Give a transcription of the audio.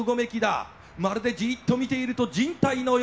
まるでじっと見ていると人体のようだ。